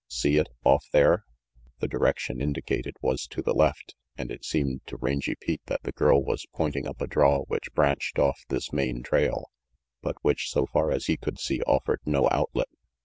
"See it, off there?" The direction indicated was to the left, and it seemed to Rangy Pete that the girl was pointing up a draw which branched off this main trail, but which, so far as he could see, offered no outlet.